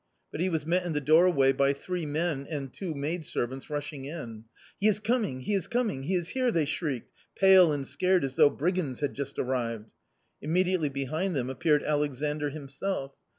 But he was met in the doorway by three men and two maid servants rushing in. " He is coming ! he is coming ! he is here !" they shrieked, pale and scared as though brigands had just arrived. Immediately behind them appeared Alexandr himself.